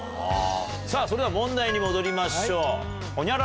さぁそれでは問題に戻りましょう。